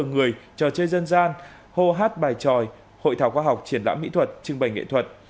người trò chơi dân gian hô hát bài tròi hội thảo khoa học triển lãm mỹ thuật trưng bày nghệ thuật